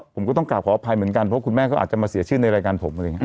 ผมก็ต้องกลับขออภัยเหมือนกันเพราะคุณแม่ก็อาจจะมาเสียชื่อในรายการผมอะไรอย่างนี้